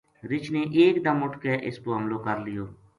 رِچھ نے ایک دم اٹھ کے اس پو حملو کر لیو